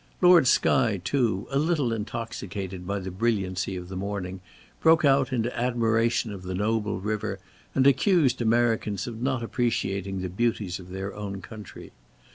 Lord Skye, too, a little intoxicated by the brilliancy of the morning, broke out into admiration of the noble river, and accused Americans of not appreciating the beauties of their own country.